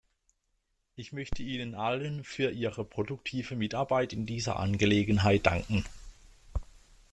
Ich möchte Ihnen allen für Ihre produktive Mitarbeit in dieser Angelegenheit danken.